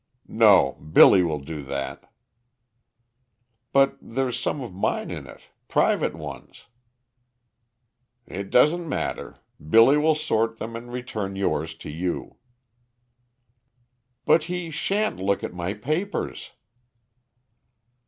"No; Billy will do that." "But there's some of mine in it, private ones." "It doesn't matter. Billy will sort them and return yours to you." "But he sha'n't look at my papers."